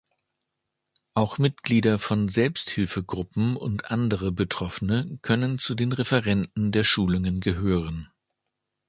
Auch Mitglieder von Selbsthilfegruppen und andere Betroffene können zu den Referenten der Schulungen gehören.